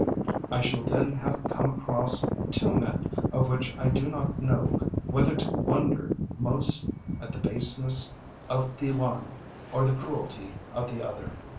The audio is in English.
I shall then have come across two men of which I do not know whether to wonder most at the baseness of the one or the cruelty of the other.